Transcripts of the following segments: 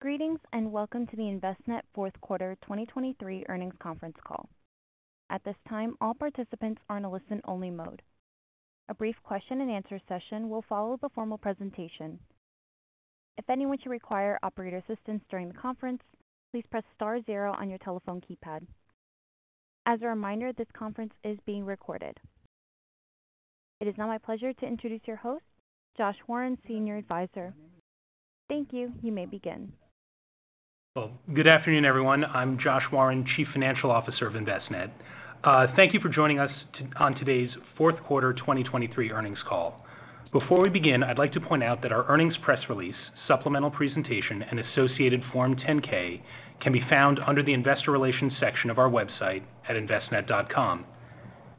Greetings and welcome to the Envestnet fourth quarter 2023 earnings conference call. At this time, all participants are in a listen-only mode. A brief question-and-answer session will follow the formal presentation. If anyone should require operator assistance during the conference, please press star 0 on your telephone keypad. As a reminder, this conference is being recorded. It is now my pleasure to introduce your host, Josh Warren, Senior Advisor. Thank you. You may begin. Well, good afternoon, everyone. I'm Josh Warren, Chief Financial Officer of Envestnet. Thank you for joining us on today's fourth quarter 2023 earnings call. Before we begin, I'd like to point out that our earnings press release, supplemental presentation, and associated Form 10-K can be found under the Investor Relations section of our website at envestnet.com.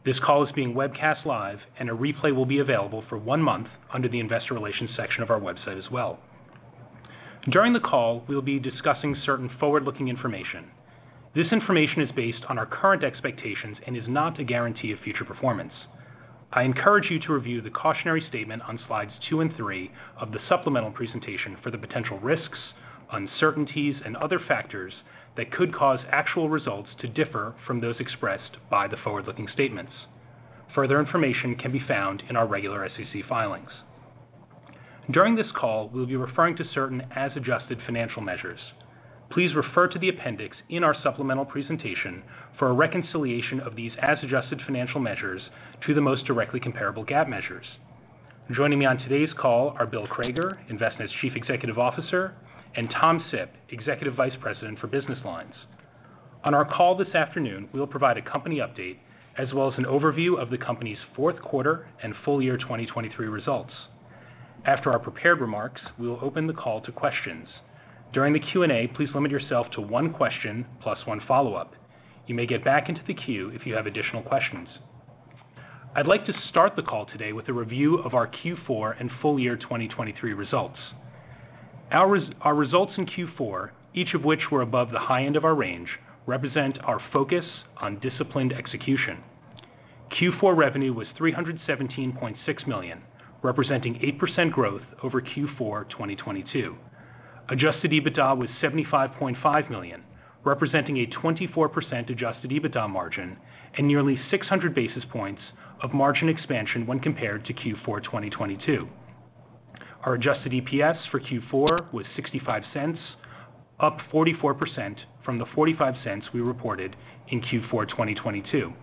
This call is being webcast live, and a replay will be available for one month under the Investor Relations section of our website as well. During the call, we'll be discussing certain forward-looking information. This information is based on our current expectations and is not a guarantee of future performance. I encourage you to review the cautionary statement on slides 2 and 3 of the supplemental presentation for the potential risks, uncertainties, and other factors that could cause actual results to differ from those expressed by the forward-looking statements. Further information can be found in our regular SEC filings. During this call, we'll be referring to certain as-adjusted financial measures. Please refer to the appendix in our supplemental presentation for a reconciliation of these as-adjusted financial measures to the most directly comparable GAAP measures. Joining me on today's call are Bill Crager, Envestnet's Chief Executive Officer, and Thomas Sipp, Executive Vice President for Business Lines. On our call this afternoon, we'll provide a company update as well as an overview of the company's fourth quarter and full year 2023 results. After our prepared remarks, we'll open the call to questions. During the Q&A, please limit yourself to one question plus one follow-up. You may get back into the queue if you have additional questions. I'd like to start the call today with a review of our Q4 and full year 2023 results. Our results in Q4, each of which were above the high end of our range, represent our focus on disciplined execution. Q4 revenue was $317.6 million, representing 8% growth over Q4 2022. Adjusted EBITDA was $75.5 million, representing a 24% adjusted EBITDA margin and nearly 600 basis points of margin expansion when compared to Q4 2022. Our adjusted EPS for Q4 was $0.65, up 44% from the $0.45 we reported in Q4 2022.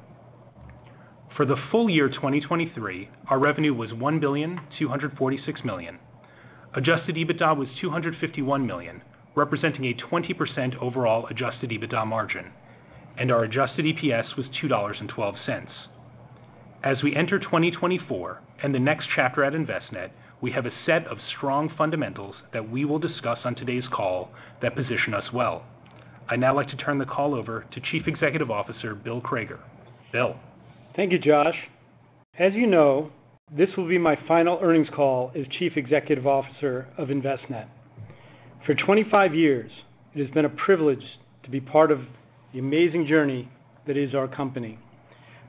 For the full year 2023, our revenue was $1,246,000,000. Adjusted EBITDA was $251,000,000, representing a 20% overall adjusted EBITDA margin, and our adjusted EPS was $2.12. As we enter 2024 and the next chapter at Envestnet, we have a set of strong fundamentals that we will discuss on today's call that position us well. I now like to turn the call over to Chief Executive Officer Bill Crager. Bill. Thank you, Josh. As you know, this will be my final earnings call as Chief Executive Officer of Envestnet. For 25 years, it has been a privilege to be part of the amazing journey that is our company.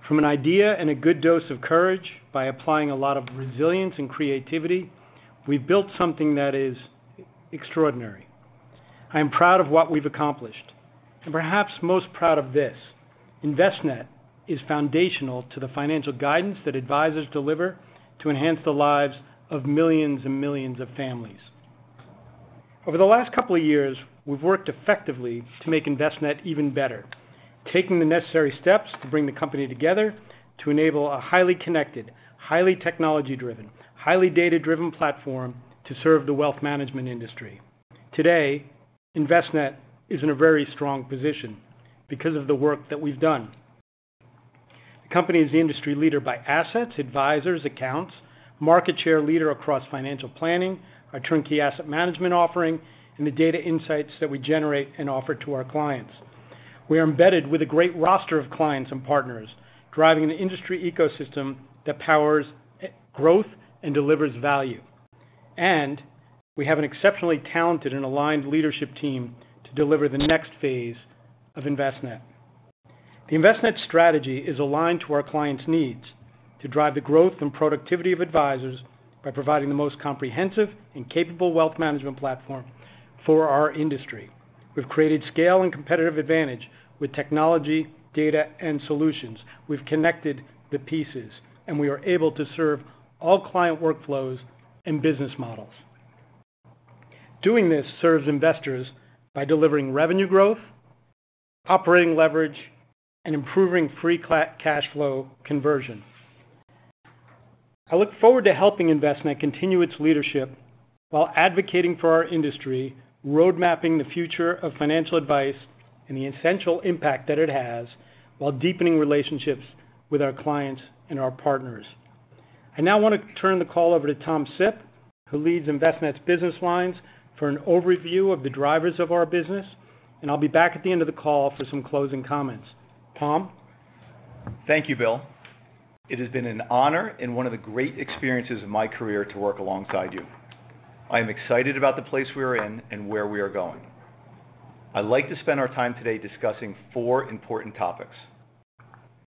From an idea and a good dose of courage by applying a lot of resilience and creativity, we've built something that is extraordinary. I am proud of what we've accomplished, and perhaps most proud of this: Envestnet is foundational to the financial guidance that advisors deliver to enhance the lives of millions and millions of families. Over the last couple of years, we've worked effectively to make Envestnet even better, taking the necessary steps to bring the company together to enable a highly connected, highly technology-driven, highly data-driven platform to serve the wealth management industry. Today, Envestnet is in a very strong position because of the work that we've done. The company is the industry leader by assets, advisors, accounts, market share leader across financial planning, our turnkey asset management offering, and the data insights that we generate and offer to our clients. We are embedded with a great roster of clients and partners, driving an industry ecosystem that powers growth and delivers value. We have an exceptionally talented and aligned leadership team to deliver the next phase of Envestnet. The Envestnet strategy is aligned to our clients' needs to drive the growth and productivity of advisors by providing the most comprehensive and capable wealth management platform for our industry. We've created scale and competitive advantage with technology, data, and solutions. We've connected the pieces, and we are able to serve all client workflows and business models. Doing this serves investors by delivering revenue growth, operating leverage, and improving free cash flow conversion. I look forward to helping Envestnet continue its leadership while advocating for our industry, roadmapping the future of financial advice and the essential impact that it has, while deepening relationships with our clients and our partners. I now want to turn the call over to Tom Sipp, who leads Envestnet's business lines, for an overview of the drivers of our business, and I'll be back at the end of the call for some closing comments. Tom? Thank you, Bill. It has been an honor and one of the great experiences of my career to work alongside you. I am excited about the place we are in and where we are going. I'd like to spend our time today discussing four important topics: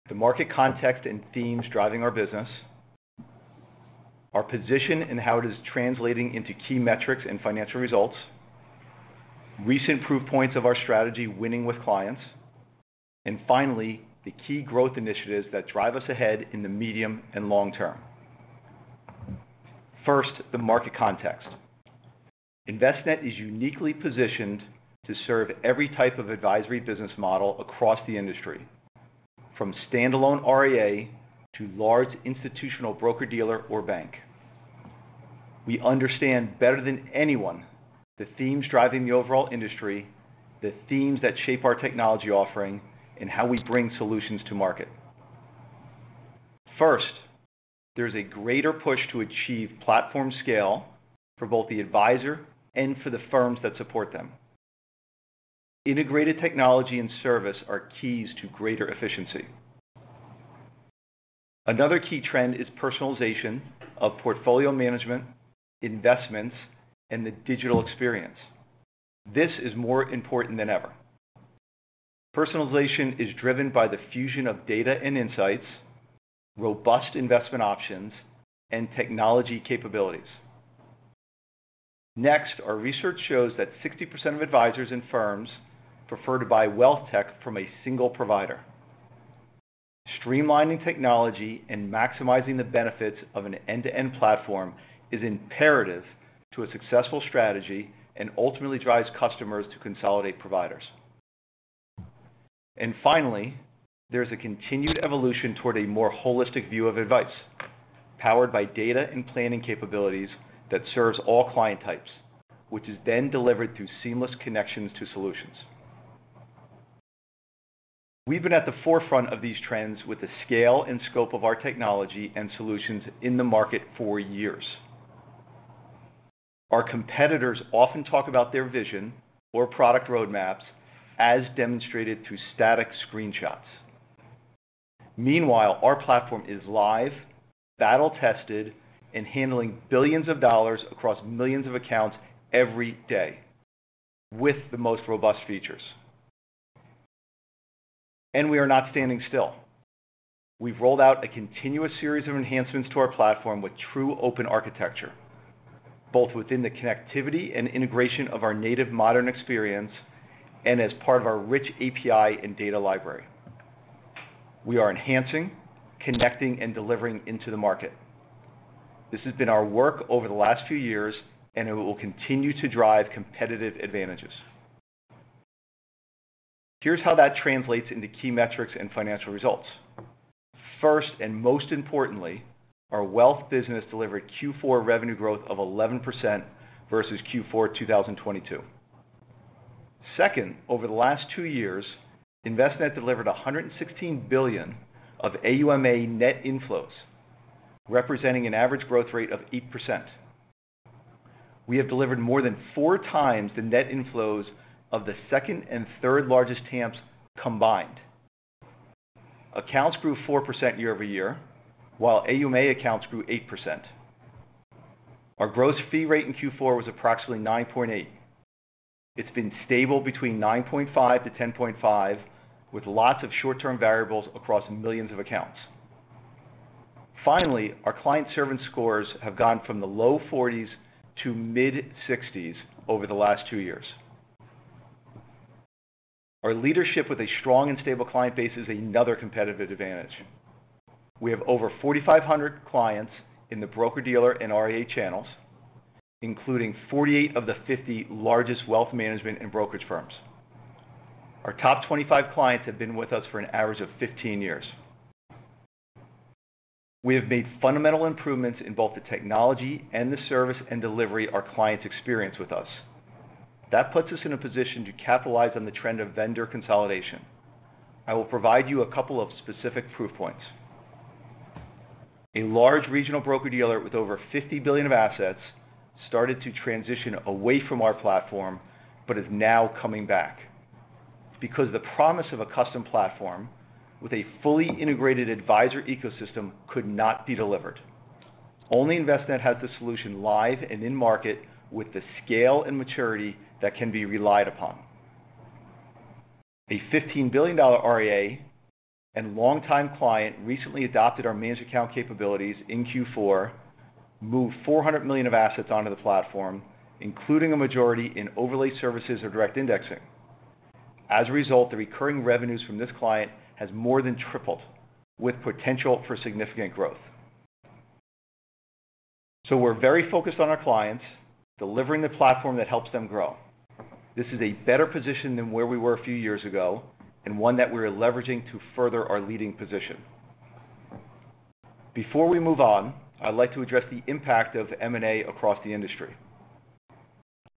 the market context and themes driving our business, our position and how it is translating into key metrics and financial results, recent proof points of our strategy winning with clients, and finally, the key growth initiatives that drive us ahead in the medium and long term. First, the market context. Envestnet is uniquely positioned to serve every type of advisory business model across the industry, from standalone RIA to large institutional broker-dealer or bank. We understand better than anyone the themes driving the overall industry, the themes that shape our technology offering, and how we bring solutions to market. First, there is a greater push to achieve platform scale for both the advisor and for the firms that support them. Integrated technology and service are keys to greater efficiency. Another key trend is personalization of portfolio management, investments, and the digital experience. This is more important than ever. Personalization is driven by the fusion of data and insights, robust investment options, and technology capabilities. Next, our research shows that 60% of advisors and firms prefer to buy wealth tech from a single provider. Streamlining technology and maximizing the benefits of an end-to-end platform is imperative to a successful strategy and ultimately drives customers to consolidate providers. Finally, there is a continued evolution toward a more holistic view of advice, powered by data and planning capabilities that serve all client types, which is then delivered through seamless connections to solutions. We've been at the forefront of these trends with the scale and scope of our technology and solutions in the market for years. Our competitors often talk about their vision or product roadmaps, as demonstrated through static screenshots. Meanwhile, our platform is live, battle-tested, and handling billions of dollars across millions of accounts every day with the most robust features. We are not standing still. We've rolled out a continuous series of enhancements to our platform with true open architecture, both within the connectivity and integration of our native modern experience and as part of our rich API and data library. We are enhancing, connecting, and delivering into the market. This has been our work over the last few years, and it will continue to drive competitive advantages. Here's how that translates into key metrics and financial results. First and most importantly, our wealth business delivered Q4 revenue growth of 11% versus Q4 2022. Second, over the last 2 years, Envestnet delivered $116 billion of AUM/A net inflows, representing an average growth rate of 8%. We have delivered more than 4 times the net inflows of the second and third largest TAMPs combined. Accounts grew 4% year-over-year, while AUM/A accounts grew 8%. Our gross fee rate in Q4 was approximately 9.8. It's been stable between 9.5-10.5, with lots of short-term variables across millions of accounts. Finally, our client servant scores have gone from the low 40s to mid-60s over the last 2 years. Our leadership with a strong and stable client base is another competitive advantage. We have over 4,500 clients in the broker-dealer and RIA channels, including 48 of the 50 largest wealth management and brokerage firms. Our top 25 clients have been with us for an average of 15 years. We have made fundamental improvements in both the technology and the service and delivery our clients experience with us. That puts us in a position to capitalize on the trend of vendor consolidation. I will provide you a couple of specific proof points. A large regional broker-dealer with over $50 billion of assets started to transition away from our platform but is now coming back because the promise of a custom platform with a fully integrated advisor ecosystem could not be delivered. Only Envestnet has the solution live and in market with the scale and maturity that can be relied upon. A $15 billion RIA and longtime client recently adopted our managed account capabilities in Q4, moved $400 million of assets onto the platform, including a majority in overlay services or direct indexing. As a result, the recurring revenues from this client have more than tripled, with potential for significant growth. So we're very focused on our clients, delivering the platform that helps them grow. This is a better position than where we were a few years ago and one that we're leveraging to further our leading position. Before we move on, I'd like to address the impact of M&A across the industry.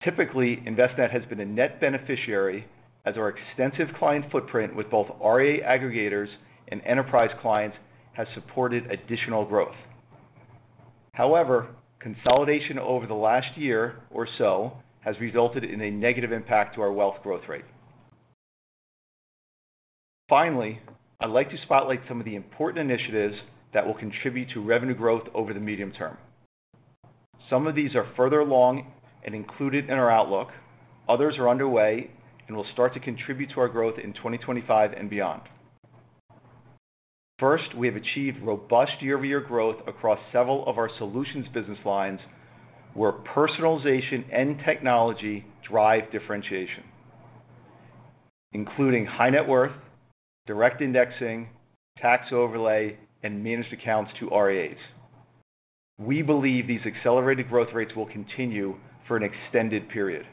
Typically, Envestnet has been a net beneficiary as our extensive client footprint with both RIA aggregators and enterprise clients has supported additional growth. However, consolidation over the last year or so has resulted in a negative impact to our wealth growth rate. Finally, I'd like to spotlight some of the important initiatives that will contribute to revenue growth over the medium term. Some of these are further along and included in our outlook. Others are underway and will start to contribute to our growth in 2025 and beyond. First, we have achieved robust year-over-year growth across several of our solutions business lines where personalization and technology drive differentiation, including high net worth, Direct Indexing, tax overlay, and managed accounts to RIAs. We believe these accelerated growth rates will continue for an extended period.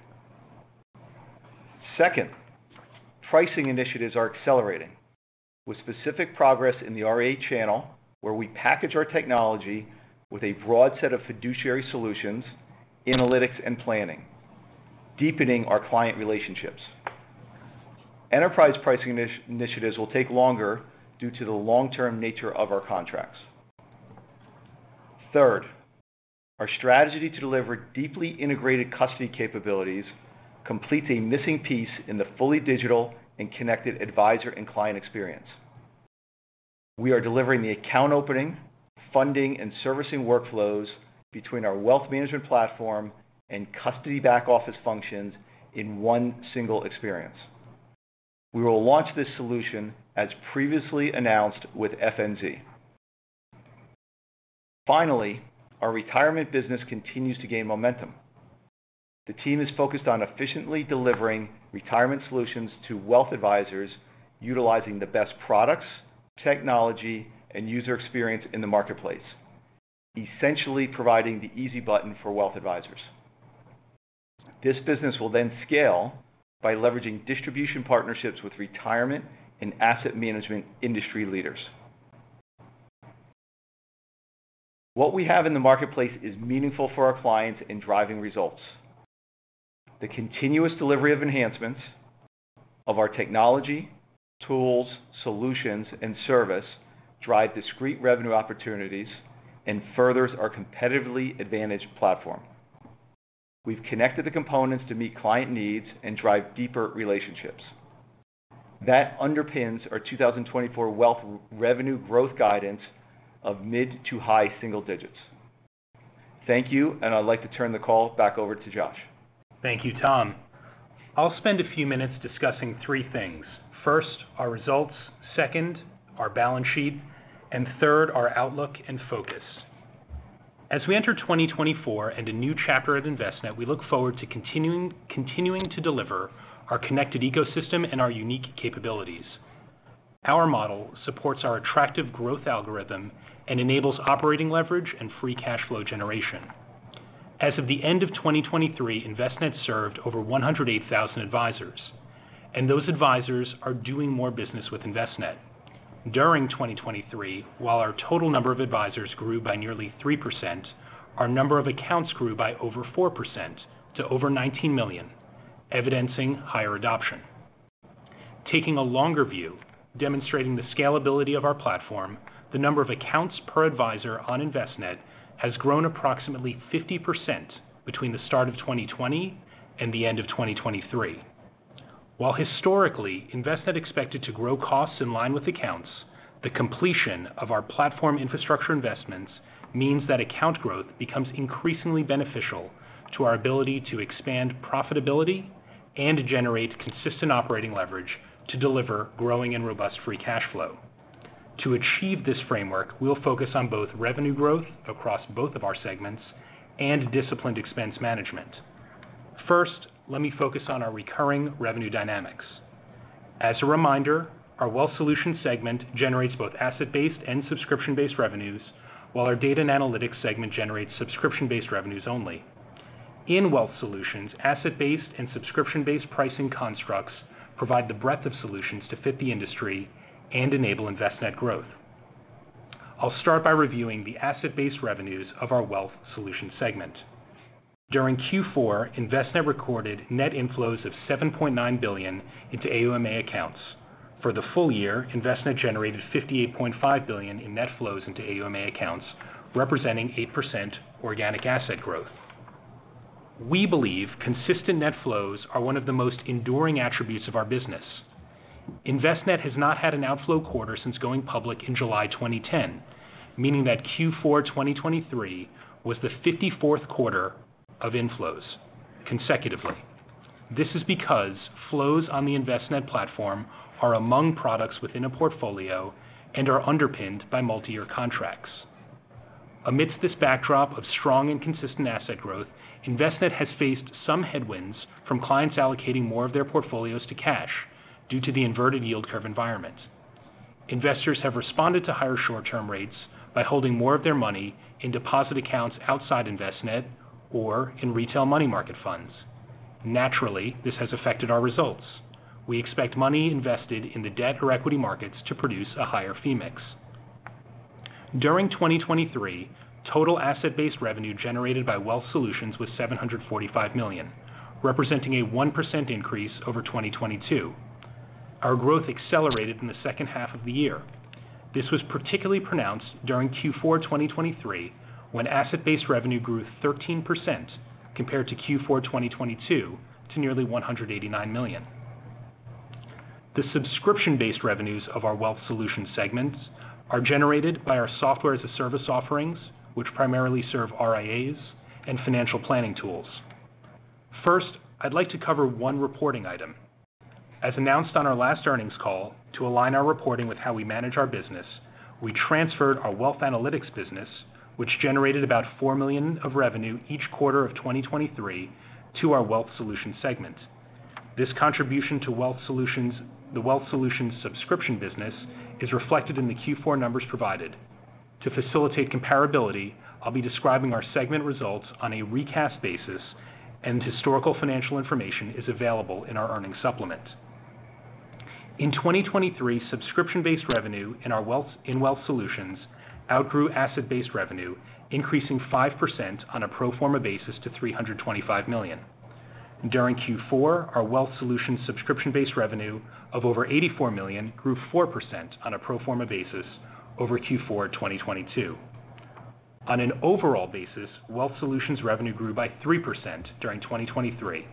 Second, pricing initiatives are accelerating, with specific progress in the RIA channel where we package our technology with a broad set of fiduciary solutions, analytics, and planning, deepening our client relationships. Enterprise pricing initiatives will take longer due to the long-term nature of our contracts. Third, our strategy to deliver deeply integrated custody capabilities completes a missing piece in the fully digital and connected advisor and client experience. We are delivering the account opening, funding, and servicing workflows between our wealth management platform and custody back-office functions in one single experience. We will launch this solution, as previously announced, with FNZ. Finally, our retirement business continues to gain momentum. The team is focused on efficiently delivering retirement solutions to wealth advisors utilizing the best products, technology, and user experience in the marketplace, essentially providing the easy button for wealth advisors. This business will then scale by leveraging distribution partnerships with retirement and asset management industry leaders. What we have in the marketplace is meaningful for our clients and driving results. The continuous delivery of enhancements of our technology, tools, solutions, and service drive discrete revenue opportunities and furthers our competitively advantaged platform. We've connected the components to meet client needs and drive deeper relationships. That underpins our 2024 wealth revenue growth guidance of mid to high single digits. Thank you, and I'd like to turn the call back over to Josh. Thank you, Tom. I'll spend a few minutes discussing three things: first, our results; second, our balance sheet; and third, our outlook and focus. As we enter 2024 and a new chapter at Envestnet, we look forward to continuing to deliver our connected ecosystem and our unique capabilities. Our model supports our attractive growth algorithm and enables operating leverage and free cash flow generation. As of the end of 2023, Envestnet served over 108,000 advisors, and those advisors are doing more business with Envestnet. During 2023, while our total number of advisors grew by nearly 3%, our number of accounts grew by over 4% to over 19 million, evidencing higher adoption. Taking a longer view, demonstrating the scalability of our platform, the number of accounts per advisor on Envestnet has grown approximately 50% between the start of 2020 and the end of 2023. While historically, Envestnet expected to grow costs in line with accounts, the completion of our platform infrastructure investments means that account growth becomes increasingly beneficial to our ability to expand profitability and generate consistent operating leverage to deliver growing and robust free cash flow. To achieve this framework, we'll focus on both revenue growth across both of our segments and disciplined expense management. First, let me focus on our recurring revenue dynamics. As a reminder, our wealth solutions segment generates both asset-based and subscription-based revenues, while our Data and Analytics segment generates subscription-based revenues only. In wealth solutions, asset-based and subscription-based pricing constructs provide the breadth of solutions to fit the industry and enable Envestnet growth. I'll start by reviewing the asset-based revenues of our wealth solutions segment. During Q4, Envestnet recorded net inflows of $7.9 billion into AUMA accounts. For the full year, Envestnet generated $58.5 billion in net flows into AUM/A accounts, representing 8% organic asset growth. We believe consistent net flows are one of the most enduring attributes of our business. Envestnet has not had an outflow quarter since going public in July 2010, meaning that Q4 2023 was the 54th quarter of inflows consecutively. This is because flows on the Envestnet platform are among products within a portfolio and are underpinned by multi-year contracts. Amidst this backdrop of strong and consistent asset growth, Envestnet has faced some headwinds from clients allocating more of their portfolios to cash due to the inverted yield curve environment. Investors have responded to higher short-term rates by holding more of their money in deposit accounts outside Envestnet or in retail money market funds. Naturally, this has affected our results. We expect money invested in the debt or equity markets to produce a higher fee mix. During 2023, total asset-based revenue generated by Wealth Solutions was $745 million, representing a 1% increase over 2022. Our growth accelerated in the second half of the year. This was particularly pronounced during Q4 2023 when asset-based revenue grew 13% compared to Q4 2022 to nearly $189 million. The subscription-based revenues of our Wealth Solutions segments are generated by our software as a service offerings, which primarily serve RIAs and financial planning tools. First, I'd like to cover one reporting item. As announced on our last earnings call, to align our reporting with how we manage our business, we transferred our wealth analytics business, which generated about $4 million of revenue each quarter of 2023, to our Wealth Solutions segment. This contribution to Wealth Solutions, the Wealth Solutions subscription business, is reflected in the Q4 numbers provided. To facilitate comparability, I'll be describing our segment results on a recast basis, and historical financial information is available in our earnings supplement. In 2023, subscription-based revenue in Wealth Solutions outgrew asset-based revenue, increasing 5% on a pro forma basis to $325 million. During Q4, our Wealth Solutions subscription-based revenue of over $84 million grew 4% on a pro forma basis over Q4 2022. On an overall basis, Wealth Solutions revenue grew by 3% during 2023.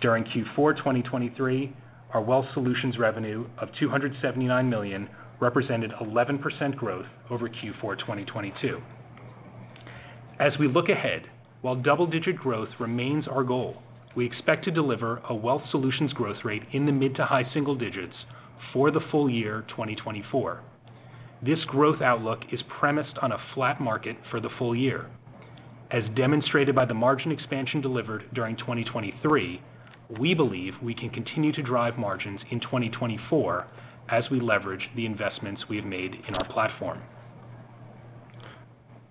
During Q4 2023, our Wealth Solutions revenue of $279 million represented 11% growth over Q4 2022. As we look ahead, while double-digit growth remains our goal, we expect to deliver a Wealth Solutions growth rate in the mid- to high single digits for the full year 2024. This growth outlook is premised on a flat market for the full year. As demonstrated by the margin expansion delivered during 2023, we believe we can continue to drive margins in 2024 as we leverage the investments we have made in our platform.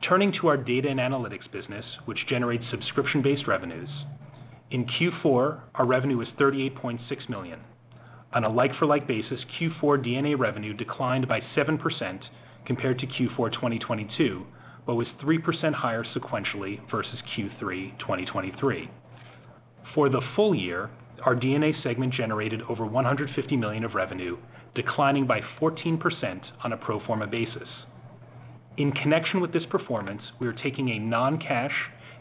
Turning to our data and analytics business, which generates subscription-based revenues, in Q4, our revenue was $38.6 million. On a like-for-like basis, Q4 DNA revenue declined by 7% compared to Q4 2022 but was 3% higher sequentially versus Q3 2023. For the full year, our DNA segment generated over $150 million of revenue, declining by 14% on a pro forma basis. In connection with this performance, we are taking a non-cash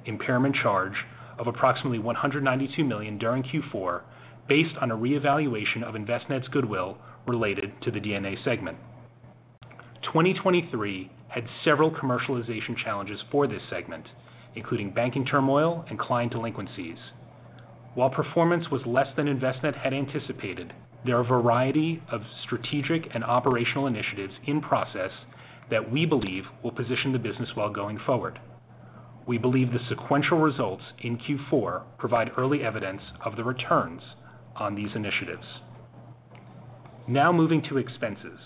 impairment charge of approximately $192 million during Q4 based on a reevaluation of Envestnet's goodwill related to the DNA segment. 2023 had several commercialization challenges for this segment, including banking turmoil and client delinquencies. While performance was less than Envestnet had anticipated, there are a variety of strategic and operational initiatives in process that we believe will position the business well going forward. We believe the sequential results in Q4 provide early evidence of the returns on these initiatives. Now moving to expenses.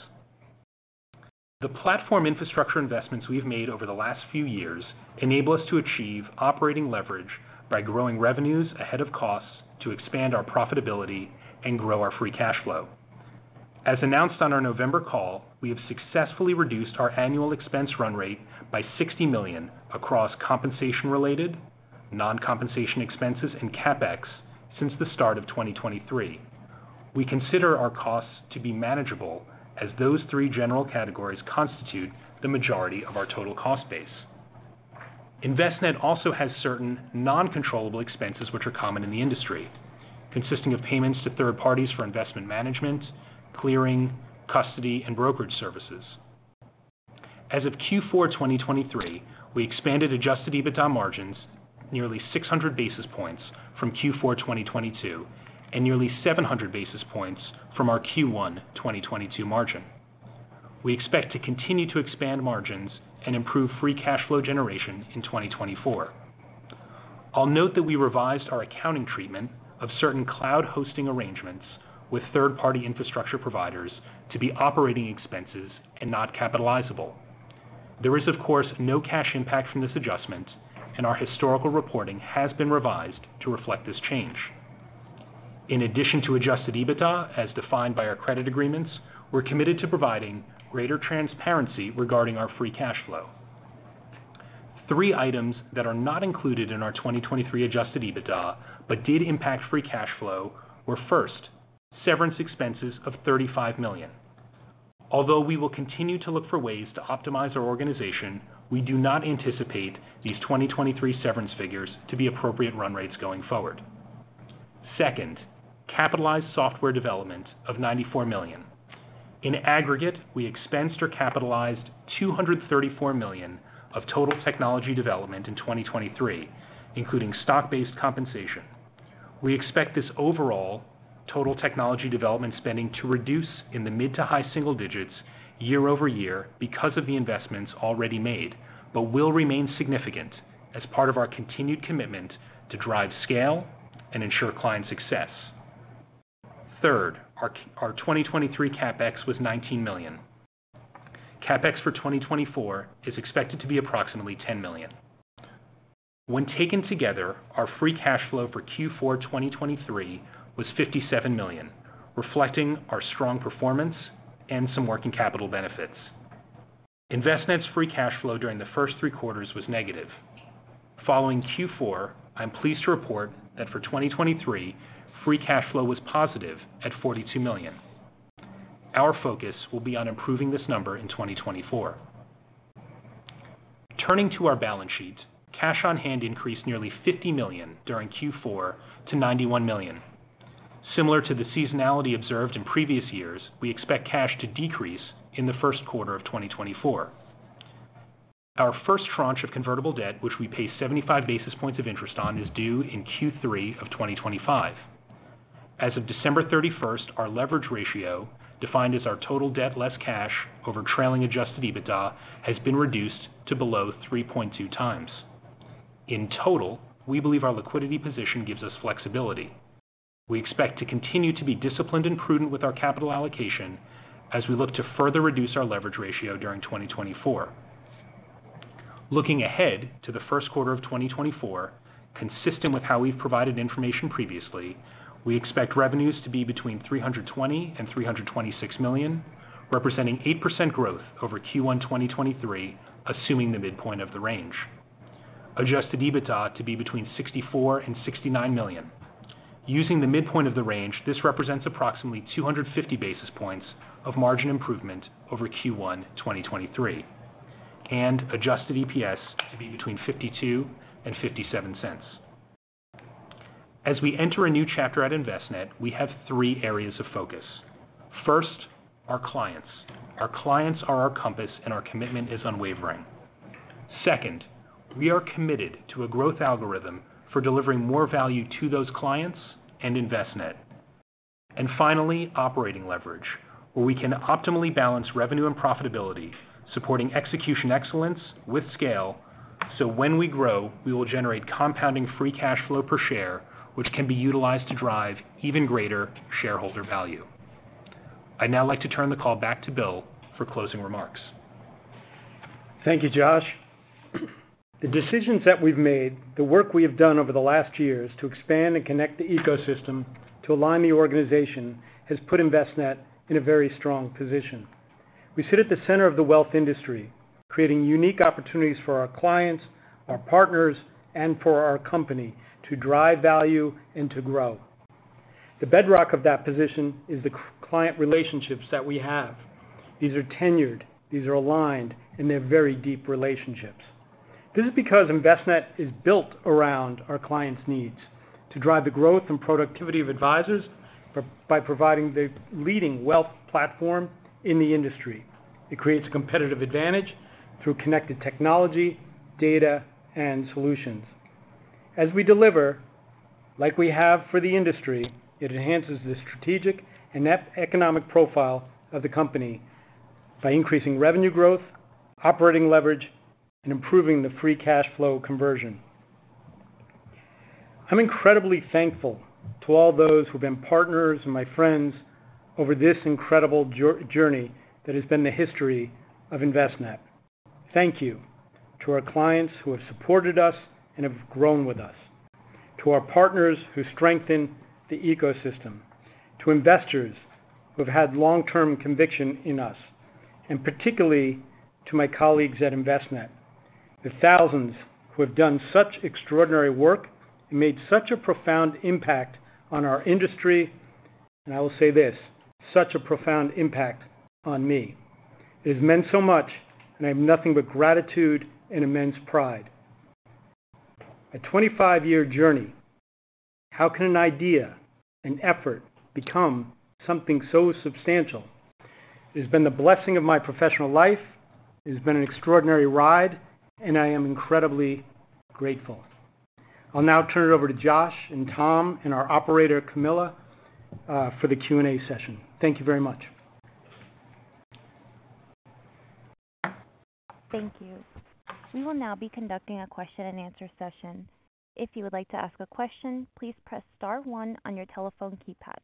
The platform infrastructure investments we've made over the last few years enable us to achieve operating leverage by growing revenues ahead of costs to expand our profitability and grow our free cash flow. As announced on our November call, we have successfully reduced our annual expense run rate by $60 million across compensation-related, non-compensation expenses, and CapEx since the start of 2023. We consider our costs to be manageable as those three general categories constitute the majority of our total cost base. Envestnet also has certain non-controllable expenses which are common in the industry, consisting of payments to third parties for investment management, clearing, custody, and brokerage services. As of Q4 2023, we expanded adjusted EBITDA margins nearly 600 basis points from Q4 2022 and nearly 700 basis points from our Q1 2022 margin. We expect to continue to expand margins and improve free cash flow generation in 2024. I'll note that we revised our accounting treatment of certain cloud hosting arrangements with third-party infrastructure providers to be operating expenses and not capitalizable. There is, of course, no cash impact from this adjustment, and our historical reporting has been revised to reflect this change. In addition to adjusted EBITDA as defined by our credit agreements, we're committed to providing greater transparency regarding our free cash flow. Three items that are not included in our 2023 adjusted EBITDA but did impact free cash flow were, first, severance expenses of $35 million. Although we will continue to look for ways to optimize our organization, we do not anticipate these 2023 severance figures to be appropriate run rates going forward. Second, capitalized software development of $94 million. In aggregate, we expensed or capitalized $234 million of total technology development in 2023, including stock-based compensation. We expect this overall total technology development spending to reduce in the mid- to high-single digits year-over-year because of the investments already made but will remain significant as part of our continued commitment to drive scale and ensure client success. Third, our 2023 CapEx was $19 million. CapEx for 2024 is expected to be approximately $10 million. When taken together, our free cash flow for Q4 2023 was $57 million, reflecting our strong performance and some working capital benefits. Envestnet's free cash flow during the first three quarters was negative. Following Q4, I'm pleased to report that for 2023, free cash flow was positive at $42 million. Our focus will be on improving this number in 2024. Turning to our balance sheet, cash on hand increased nearly $50 million during Q4 to $91 million. Similar to the seasonality observed in previous years, we expect cash to decrease in the first quarter of 2024. Our first tranche of convertible debt, which we pay 75 basis points of interest on, is due in Q3 of 2025. As of December 31st, our leverage ratio, defined as our total debt less cash over trailing adjusted EBITDA, has been reduced to below 3.2 times. In total, we believe our liquidity position gives us flexibility. We expect to continue to be disciplined and prudent with our capital allocation as we look to further reduce our leverage ratio during 2024. Looking ahead to the first quarter of 2024, consistent with how we've provided information previously, we expect revenues to be between $320 million-$326 million, representing 8% growth over Q1 2023, assuming the midpoint of the range. Adjusted EBITDA to be between $64 million-$69 million. Using the midpoint of the range, this represents approximately 250 basis points of margin improvement over Q1 2023, and adjusted EPS to be between $0.52-$0.57. As we enter a new chapter at Envestnet, we have three areas of focus. First, our clients. Our clients are our compass, and our commitment is unwavering. Second, we are committed to a growth algorithm for delivering more value to those clients and Envestnet. And finally, operating leverage, where we can optimally balance revenue and profitability, supporting execution excellence with scale so when we grow, we will generate compounding free cash flow per share, which can be utilized to drive even greater shareholder value. I'd now like to turn the call back to Bill for closing remarks. Thank you, Josh. The decisions that we've made, the work we have done over the last years to expand and connect the ecosystem to align the organization has put Envestnet in a very strong position. We sit at the center of the wealth industry, creating unique opportunities for our clients, our partners, and for our company to drive value and to grow. The bedrock of that position is the client relationships that we have. These are tenured, these are aligned, and they're very deep relationships. This is because Envestnet is built around our clients' needs to drive the growth and productivity of advisors by providing the leading wealth platform in the industry. It creates a competitive advantage through connected technology, data, and solutions. As we deliver, like we have for the industry, it enhances the strategic and economic profile of the company by increasing revenue growth, operating leverage, and improving the free cash flow conversion. I'm incredibly thankful to all those who have been partners and my friends over this incredible journey that has been the history of Envestnet. Thank you to our clients who have supported us and have grown with us, to our partners who strengthen the ecosystem, to investors who have had long-term conviction in us, and particularly to my colleagues at Envestnet, the thousands who have done such extraordinary work and made such a profound impact on our industry, and I will say this, such a profound impact on me. It has meant so much, and I have nothing but gratitude and immense pride. A 25-year journey, how can an idea, an effort, become something so substantial? It has been the blessing of my professional life, it has been an extraordinary ride, and I am incredibly grateful. I'll now turn it over to Josh and Tom and our operator, Camilla, for the Q&A session. Thank you very much. Thank you. We will now be conducting a question-and-answer session. If you would like to ask a question, please press star one on your telephone keypad.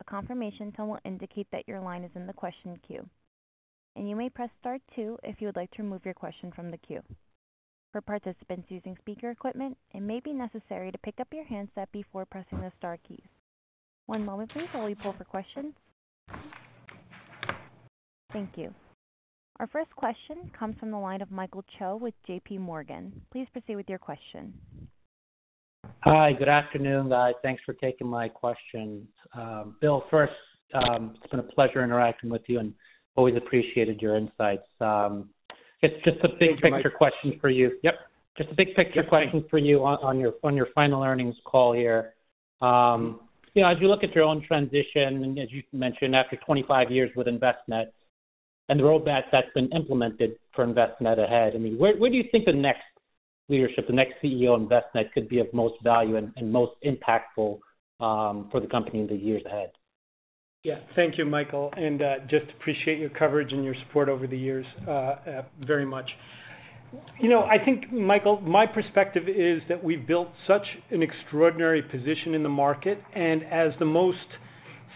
A confirmation tone will indicate that your line is in the question queue. You may press star two if you would like to remove your question from the queue. For participants using speaker equipment, it may be necessary to pick up your handset before pressing the star keys. One moment, please, while we pull for questions. Thank you. Our first question comes from the line of Michael Cho with J.P. Morgan. Please proceed with your question. Hi, good afternoon, guys. Thanks for taking my question. Bill, first, it's been a pleasure interacting with you and always appreciated your insights. It's just a big picture question for you. Yep. Just a big picture question for you on your final earnings call here. As you look at your own transition, as you mentioned, after 25 years with Envestnet and the roadmap that's been implemented for Envestnet ahead, I mean, where do you think the next leadership, the next CEO of Envestnet could be of most value and most impactful for the company in the years ahead? Yeah. Thank you, Michael. And just appreciate your coverage and your support over the years very much. I think, Michael, my perspective is that we've built such an extraordinary position in the market, and as the most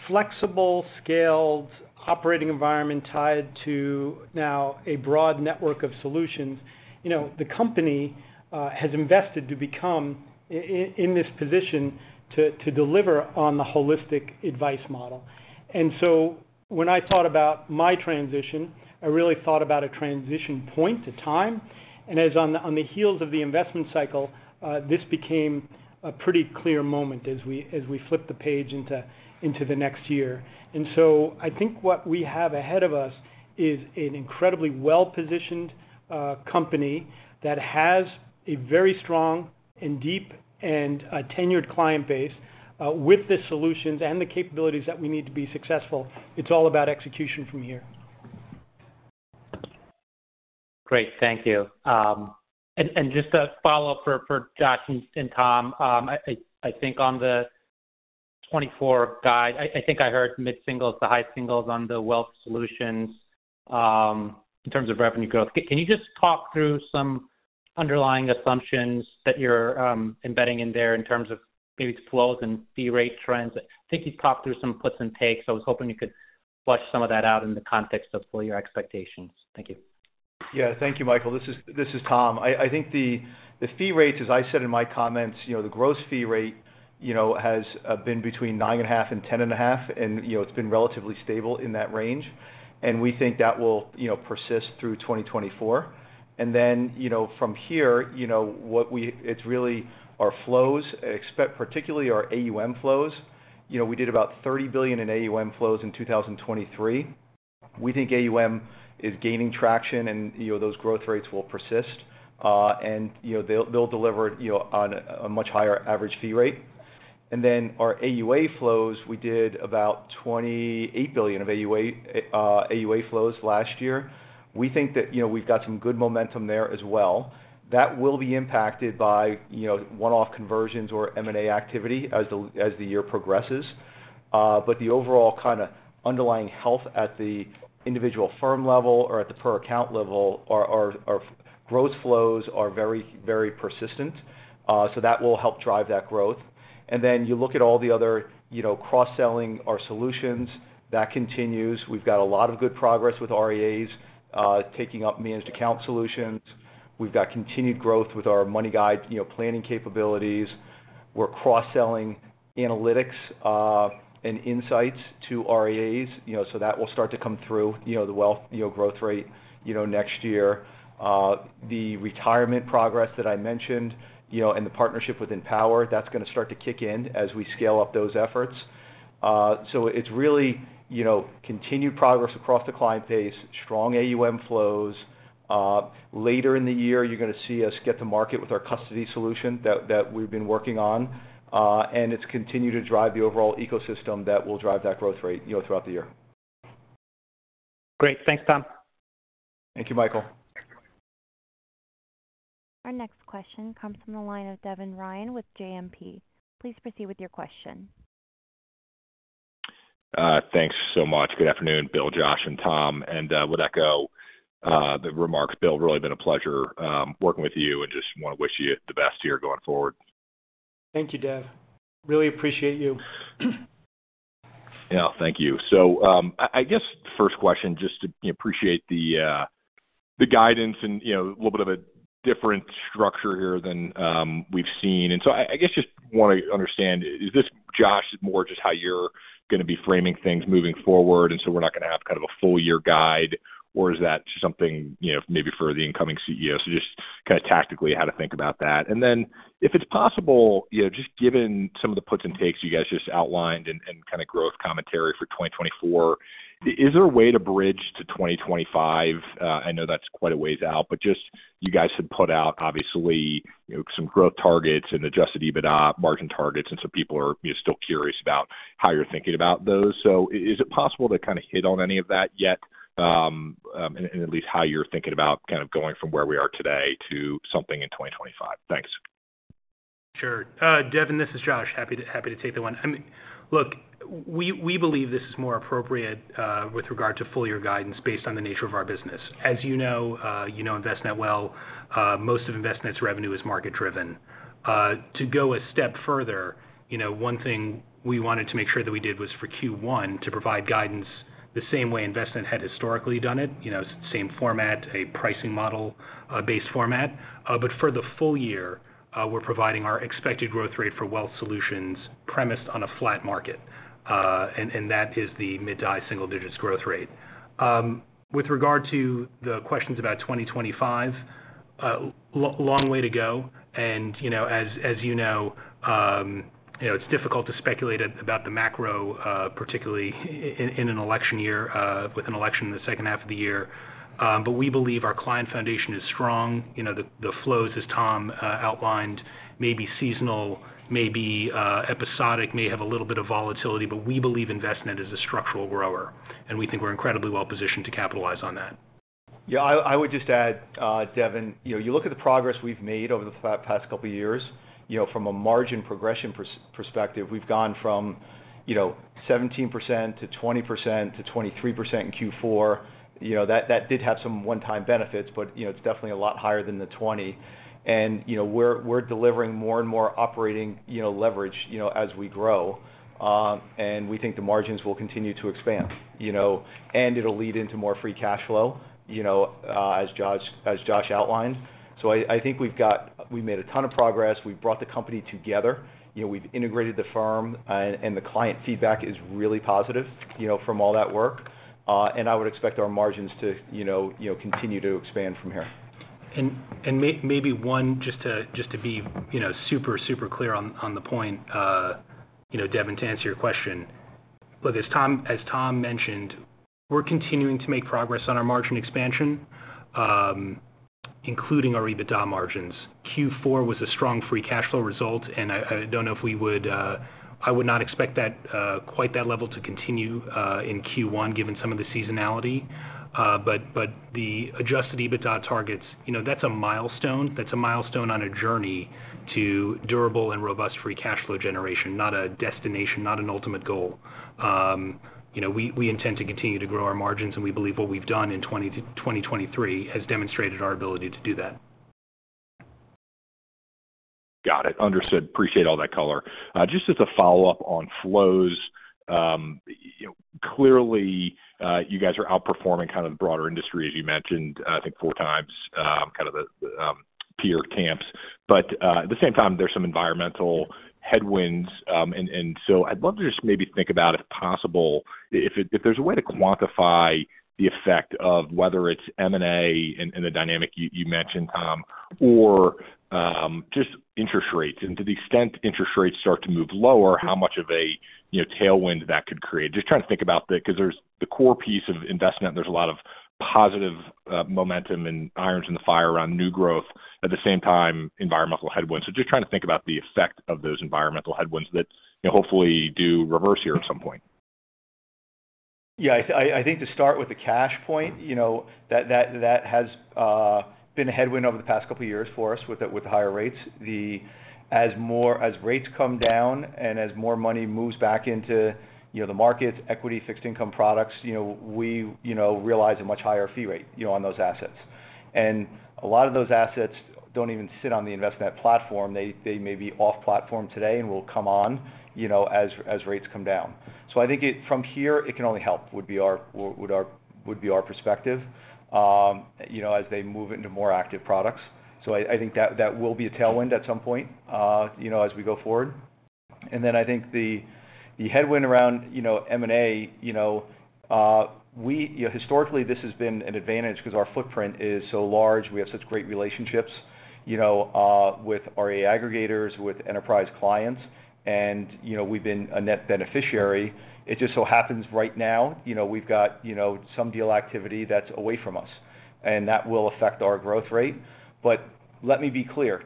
flexible, scaled operating environment tied to now a broad network of solutions, the company has invested to become in this position to deliver on the holistic advice model. And so when I thought about my transition, I really thought about a transition point of time. And as on the heels of the investment cycle, this became a pretty clear moment as we flipped the page into the next year. And so I think what we have ahead of us is an incredibly well-positioned company that has a very strong and deep and tenured client base. With the solutions and the capabilities that we need to be successful, it's all about execution from here. Great. Thank you. And just a follow-up for Josh and Tom. I think on the 2024 guide, I think I heard mid-singles, the high singles on the wealth solutions in terms of revenue growth. Can you just talk through some underlying assumptions that you're embedding in there in terms of maybe flows and fee rate trends? I think you talked through some puts and takes, so I was hoping you could flesh some of that out in the context of what your expectations. Thank you. Yeah. Thank you, Michael. This is Tom. I think the fee rates, as I said in my comments, the gross fee rate has been between 9.5 and 10.5, and it's been relatively stable in that range. And we think that will persist through 2024. And then from here, it's really our flows, particularly our AUM flows. We did about $30 billion in AUM flows in 2023. We think AUM is gaining traction, and those growth rates will persist. And they'll deliver on a much higher average fee rate. And then our AUA flows, we did about $28 billion of AUA flows last year. We think that we've got some good momentum there as well. That will be impacted by one-off conversions or M&A activity as the year progresses. But the overall kind of underlying health at the individual firm level or at the per-account level, our growth flows are very, very persistent. That will help drive that growth. Then you look at all the other cross-selling our solutions, that continues. We've got a lot of good progress with RIAs, taking up managed account solutions. We've got continued growth with our MoneyGuide planning capabilities. We're cross-selling analytics and insights to RIAs, so that will start to come through, the wealth growth rate next year. The retirement progress that I mentioned and the partnership with Empower, that's going to start to kick in as we scale up those efforts. So it's really continued progress across the client base, strong AUM flows. Later in the year, you're going to see us get to market with our custody solution that we've been working on. It's continued to drive the overall ecosystem that will drive that growth rate throughout the year. Great. Thanks, Tom. Thank you, Michael. Our next question comes from the line of Devin Ryan with JMP. Please proceed with your question. Thanks so much. Good afternoon, Bill, Josh, and Tom. And would echo the remarks. Bill, really been a pleasure working with you and just want to wish you the best year going forward. Thank you, Dev. Really appreciate you. Yeah. Thank you. So I guess first question, just to appreciate the guidance and a little bit of a different structure here than we've seen. And so I guess just want to understand, is this Josh more just how you're going to be framing things moving forward? And so we're not going to have kind of a full-year guide, or is that something maybe for the incoming CEO? So just kind of tactically how to think about that. And then if it's possible, just given some of the puts and takes you guys just outlined and kind of growth commentary for 2024, is there a way to bridge to 2025? I know that's quite a ways out, but just you guys had put out, obviously, some growth targets and adjusted EBITDA, margin targets, and so people are still curious about how you're thinking about those. So is it possible to kind of hit on any of that yet, and at least how you're thinking about kind of going from where we are today to something in 2025? Thanks. Sure. Devin, this is Josh. Happy to take the one. Look, we believe this is more appropriate with regard to full-year guidance based on the nature of our business. As you know, you know Envestnet well, most of Envestnet's revenue is market-driven. To go a step further, one thing we wanted to make sure that we did was for Q1 to provide guidance the same way Envestnet had historically done it, same format, a pricing model-based format. But for the full year, we're providing our expected growth rate for wealth solutions premised on a flat market. And that is the mid-to-high single-digits growth rate. With regard to the questions about 2025, long way to go. And as you know, it's difficult to speculate about the macro, particularly in an election year, with an election in the second half of the year. But we believe our client foundation is strong. The flows, as Tom outlined, may be seasonal, may be episodic, may have a little bit of volatility, but we believe Envestnet is a structural grower. We think we're incredibly well-positioned to capitalize on that. Yeah. I would just add, Devin. You look at the progress we've made over the past couple of years. From a margin progression perspective, we've gone from 17% to 20% to 23% in Q4. That did have some one-time benefits, but it's definitely a lot higher than the 20%. And we're delivering more and more operating leverage as we grow. And we think the margins will continue to expand. And it'll lead into more free cash flow, as Josh outlined. So I think we've made a ton of progress. We've brought the company together. We've integrated the firm. And the client feedback is really positive from all that work. And I would expect our margins to continue to expand from here. And maybe one, just to be super, super clear on the point, Devin, to answer your question. Look, as Tom mentioned, we're continuing to make progress on our margin expansion, including our EBITDA margins. Q4 was a strong free cash flow result, and I would not expect quite that level to continue in Q1, given some of the seasonality. But the adjusted EBITDA targets, that's a milestone. That's a milestone on a journey to durable and robust free cash flow generation, not a destination, not an ultimate goal. We intend to continue to grow our margins, and we believe what we've done in 2023 has demonstrated our ability to do that. Got it. Understood. Appreciate all that color. Just as a follow-up on flows, clearly, you guys are outperforming kind of the broader industry, as you mentioned, I think, four times, kind of the peer camps. But at the same time, there's some environmental headwinds. And so I'd love to just maybe think about, if possible, if there's a way to quantify the effect of whether it's M&A and the dynamic you mentioned, Tom, or just interest rates. And to the extent interest rates start to move lower, how much of a tailwind that could create? Just trying to think about the, because there's the core piece of Envestnet, and there's a lot of positive momentum and irons in the fire around new growth, at the same time, environmental headwinds. So just trying to think about the effect of those environmental headwinds that hopefully do reverse here at some point. Yeah. I think to start with the cash point, that has been a headwind over the past couple of years for us with the higher rates. As rates come down and as more money moves back into the markets, equity, fixed income products, we realize a much higher fee rate on those assets. And a lot of those assets don't even sit on the Envestnet platform. They may be off-platform today and will come on as rates come down. So I think from here, it can only help, would be our perspective, as they move into more active products. So I think that will be a tailwind at some point as we go forward. And then I think the headwind around M&A, historically, this has been an advantage because our footprint is so large. We have such great relationships with RIA aggregators, with enterprise clients, and we've been a net beneficiary. It just so happens right now, we've got some deal activity that's away from us. That will affect our growth rate. But let me be clear.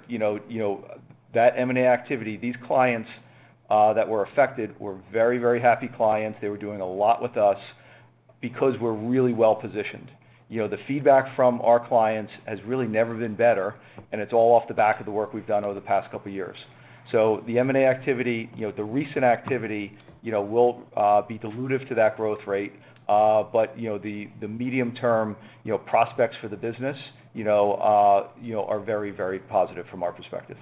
That M&A activity, these clients that were affected were very, very happy clients. They were doing a lot with us because we're really well-positioned. The feedback from our clients has really never been better, and it's all off the back of the work we've done over the past couple of years. The M&A activity, the recent activity, will be dilutive to that growth rate. But the medium-term prospects for the business are very, very positive from our perspective.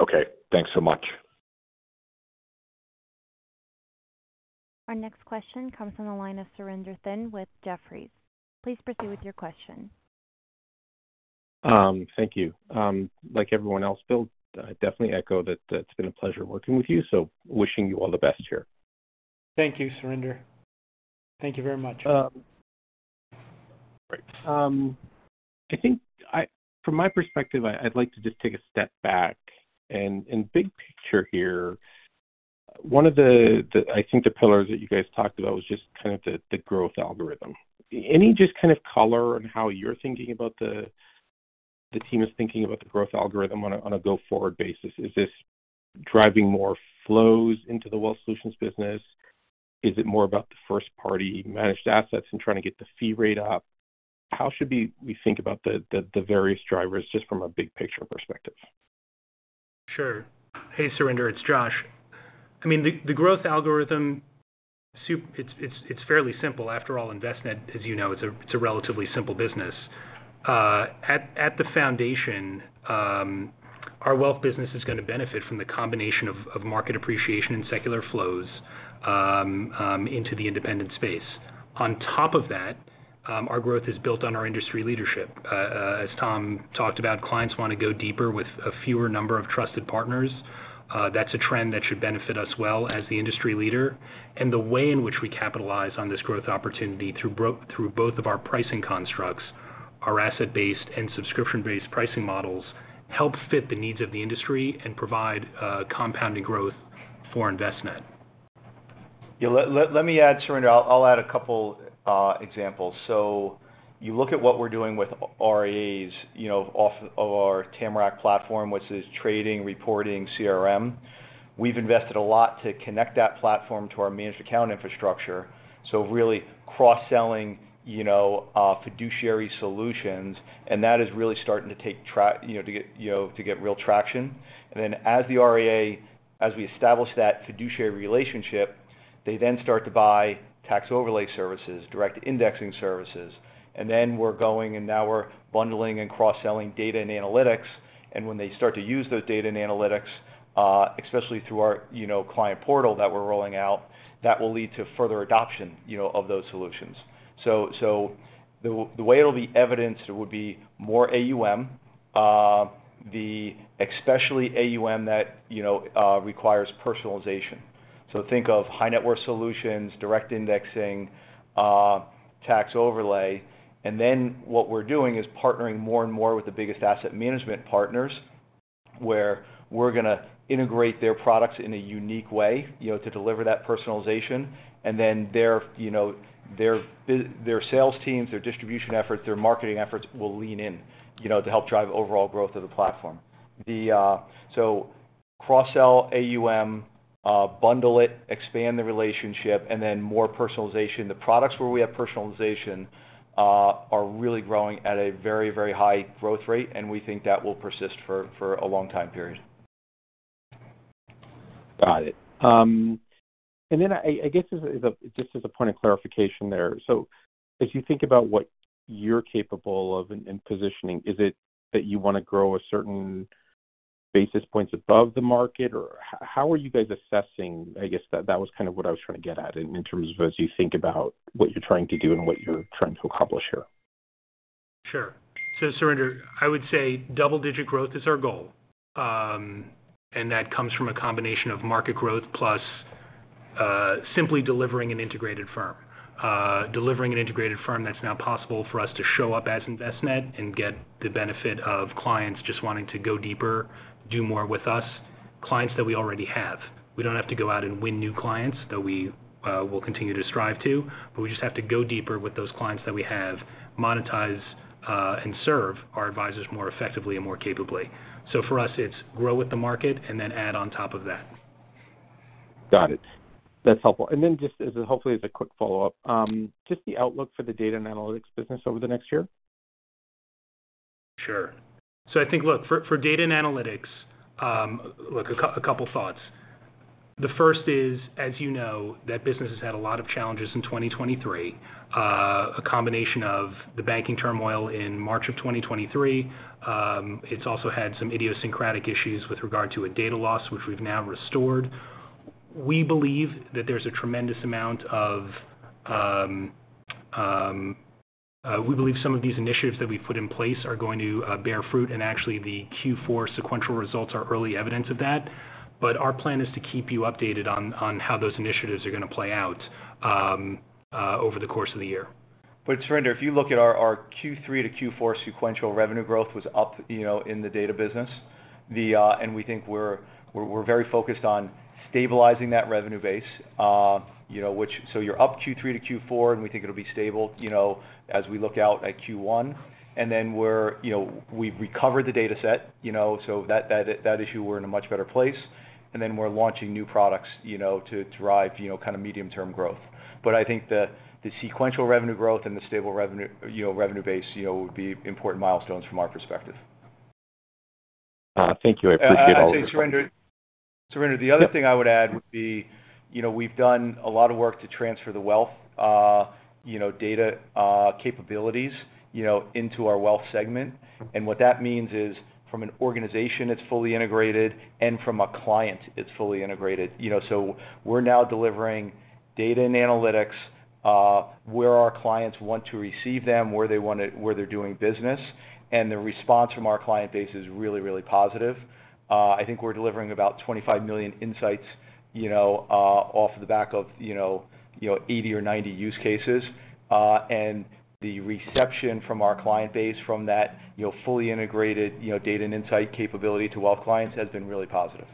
Okay. Thanks so much. Our next question comes from the line of Surinder Thind with Jefferies. Please proceed with your question. Thank you. Like everyone else, Bill, I definitely echo that it's been a pleasure working with you. So wishing you all the best here. Thank you, Surinder. Thank you very much. Great. I think from my perspective, I'd like to just take a step back. Big picture here, one of the I think the pillars that you guys talked about was just kind of the growth algorithm. Any just kind of color on how you're thinking about the team is thinking about the growth algorithm on a go-forward basis? Is this driving more flows into the wealth solutions business? Is it more about the first-party managed assets and trying to get the fee rate up? How should we think about the various drivers just from a big picture perspective? Sure. Hey, Surinder. It's Josh. I mean, the growth algorithm, it's fairly simple. After all, Envestnet, as you know, it's a relatively simple business. At the foundation, our wealth business is going to benefit from the combination of market appreciation and secular flows into the independent space. On top of that, our growth is built on our industry leadership. As Tom talked about, clients want to go deeper with a fewer number of trusted partners. That's a trend that should benefit us well as the industry leader. And the way in which we capitalize on this growth opportunity through both of our pricing constructs, our asset-based and subscription-based pricing models, help fit the needs of the industry and provide compounding growth for Envestnet. Yeah. Let me add, Surinder. I'll add a couple examples. So you look at what we're doing with RIAs off of our Tamarac platform, which is trading, reporting, CRM. We've invested a lot to connect that platform to our managed account infrastructure. So really cross-selling fiduciary solutions, and that is really starting to take track to get real traction. And then as the RIA, as we establish that fiduciary relationship, they then start to buy tax overlay services, direct indexing services. And then we're going, and now we're bundling and cross-selling data and analytics. And when they start to use those data and analytics, especially through our client portal that we're rolling out, that will lead to further adoption of those solutions. So the way it'll be evidenced, it would be more AUM, especially AUM that requires personalization. So think of high-net-worth solutions, direct indexing, tax overlay. And then what we're doing is partnering more and more with the biggest asset management partners, where we're going to integrate their products in a unique way to deliver that personalization. And then their sales teams, their distribution efforts, their marketing efforts will lean in to help drive overall growth of the platform. So cross-sell AUM, bundle it, expand the relationship, and then more personalization. The products where we have personalization are really growing at a very, very high growth rate, and we think that will persist for a long time period. Got it. I guess just as a point of clarification there, so as you think about what you're capable of and positioning, is it that you want to grow a certain basis points above the market, or how are you guys assessing? I guess that was kind of what I was trying to get at in terms of as you think about what you're trying to do and what you're trying to accomplish here. Sure. So, Surinder, I would say double-digit growth is our goal. And that comes from a combination of market growth plus simply delivering an integrated firm. Delivering an integrated firm that's now possible for us to show up as Envestnet and get the benefit of clients just wanting to go deeper, do more with us, clients that we already have. We don't have to go out and win new clients, though we will continue to strive to, but we just have to go deeper with those clients that we have, monetize, and serve our advisors more effectively and more capably. So for us, it's grow with the market and then add on top of that. Got it. That's helpful. And then just hopefully as a quick follow-up, just the outlook for the data and analytics business over the next year? Sure. So I think, look, for data and analytics, look, a couple of thoughts. The first is, as you know, that business has had a lot of challenges in 2023, a combination of the banking turmoil in March of 2023. It's also had some idiosyncratic issues with regard to a data loss, which we've now restored. We believe that there's a tremendous amount of we believe some of these initiatives that we've put in place are going to bear fruit, and actually, the Q4 sequential results are early evidence of that. But our plan is to keep you updated on how those initiatives are going to play out over the course of the year. But, Surinder, if you look at our Q3 to Q4 sequential revenue growth was up in the data business, and we think we're very focused on stabilizing that revenue base, which so you're up Q3 to Q4, and we think it'll be stable as we look out at Q1. And then we've recovered the dataset. So that issue, we're in a much better place. And then we're launching new products to drive kind of medium-term growth. But I think the sequential revenue growth and the stable revenue base would be important milestones from our perspective. Thank you. I appreciate all of that. I would say, Surinder, the other thing I would add would be we've done a lot of work to transfer the wealth data capabilities into our wealth segment. What that means is, from an organization, it's fully integrated, and from a client, it's fully integrated. We're now delivering data and analytics where our clients want to receive them, where they're doing business. The response from our client base is really, really positive. I think we're delivering about 25 million insights off of the back of 80 or 90 use cases. The reception from our client base from that fully integrated data and insight capability to wealth clients has been really positive.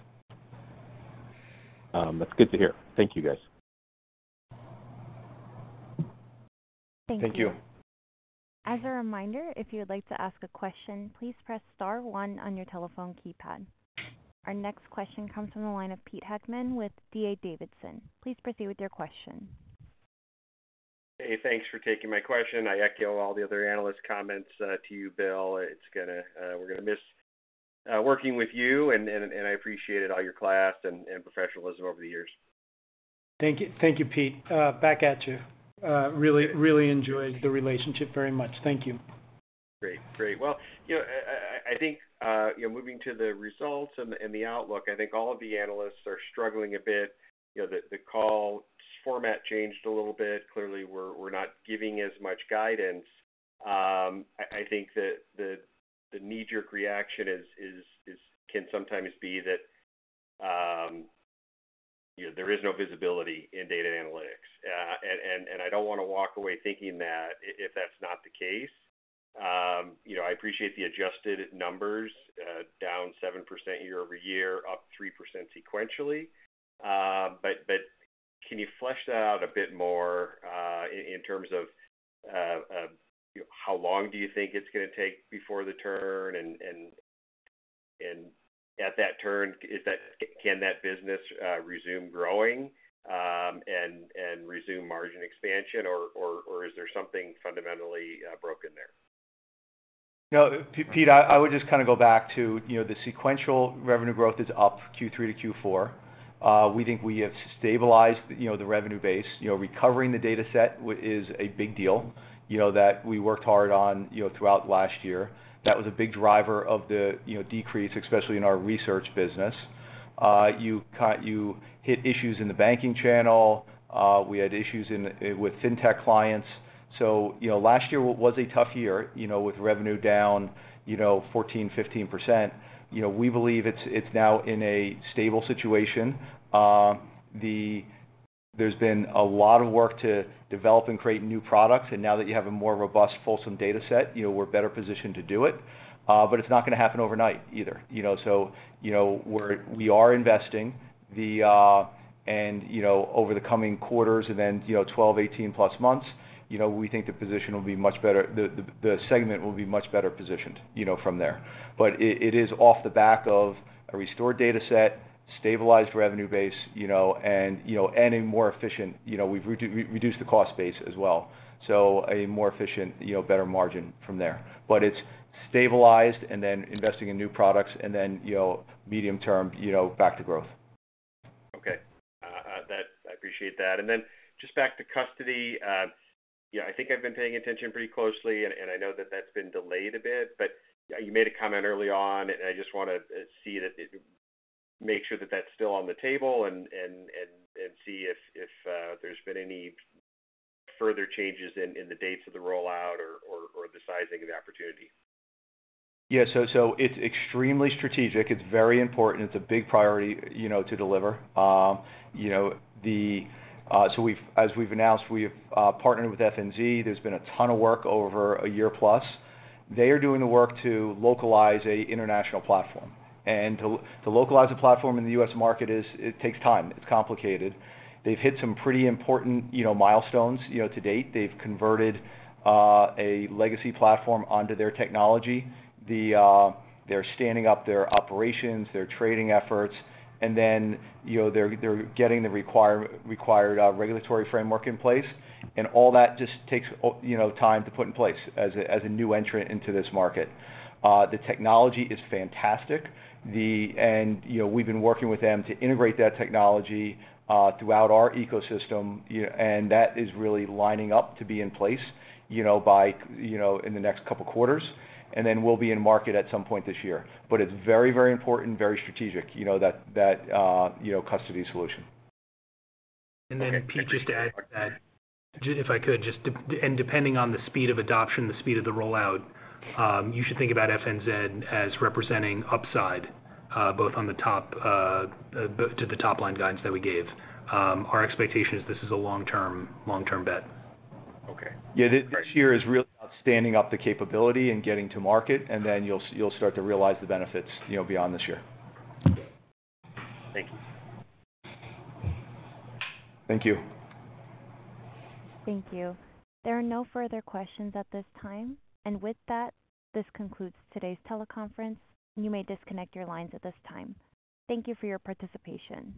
That's good to hear. Thank you, guys. Thank you. Thank you. As a reminde`r, if you would like to ask a question, please press star one on your telephone keypad. Our next question comes from the line of Pete Heckman with D.A. Davidson. Please proceed with your question. Hey, thanks for taking my question. I echo all the other analyst comments to you, Bill. We're going to miss working with you, and I appreciated all your class and professionalism over the years. Thank you, Pete. Back at you. Really enjoyed the relationship very much. Thank you. Great. Great. Well, I think moving to the results and the outlook, I think all of the analysts are struggling a bit. The call format changed a little bit. Clearly, we're not giving as much guidance. I think that the knee-jerk reaction can sometimes be that there is no visibility in data and analytics. And I don't want to walk away thinking that if that's not the case. I appreciate the adjusted numbers, down 7% year-over-year, up 3% sequentially. But can you flesh that out a bit more in terms of how long do you think it's going to take before the turn? And at that turn, can that business resume growing and resume margin expansion, or is there something fundamentally broken there? No, Pete, I would just kind of go back to the sequential revenue growth is up Q3 to Q4. We think we have stabilized the revenue base. Recovering the dataset is a big deal that we worked hard on throughout last year. That was a big driver of the decrease, especially in our research business. You hit issues in the banking channel. We had issues with fintech clients. So last year was a tough year with revenue down 14%-15%. We believe it's now in a stable situation. There's been a lot of work to develop and create new products. And now that you have a more robust, fulsome dataset, we're better positioned to do it. But it's not going to happen overnight either. So we are investing. And over the coming quarters and then 12-18+ months, we think the position will be much better. The segment will be much better positioned from there. But it is off the back of a restored dataset, stabilized revenue base, and a more efficient. We've reduced the cost base as well, so a more efficient, better margin from there. But it's stabilized and then investing in new products and then medium-term back to growth. Okay. I appreciate that. And then just back to custody. I think I've been paying attention pretty closely, and I know that that's been delayed a bit. But you made a comment early on, and I just want to see that make sure that that's still on the table and see if there's been any further changes in the dates of the rollout or the sizing of the opportunity. Yeah. So it's extremely strategic. It's very important. It's a big priority to deliver. So as we've announced, we've partnered with FNZ. There's been a ton of work over a year plus. They are doing the work to localize a international platform. And to localize a platform in the U.S. market, it takes time. It's complicated. They've hit some pretty important milestones to date. They've converted a legacy platform onto their technology. They're standing up their operations, their trading efforts. And then they're getting the required regulatory framework in place. And all that just takes time to put in place as a new entrant into this market. The technology is fantastic. And we've been working with them to integrate that technology throughout our ecosystem. And that is really lining up to be in place in the next couple of quarters. And then we'll be in market at some point this year. But it's very, very important, very strategic, that custody solution. And then Pete just to add that, if I could, and depending on the speed of adoption, the speed of the rollout, you should think about FNZ as representing upside both on the top to the top-line guidance that we gave. Our expectation is this is a long-term bet. Okay. Yeah. This year is really about standing up the capability and getting to market, and then you'll start to realize the benefits beyond this year. Thank you. Thank you. Thank you. There are no further questions at this time. With that, this concludes today's teleconference. You may disconnect your lines at this time. Thank you for your participation.